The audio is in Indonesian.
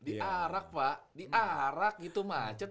diarak pak diarak gitu macet